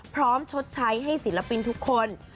ชดใช้ให้ศิลปินทุกคน